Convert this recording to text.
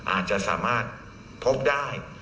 อาจจะสามารถพบได้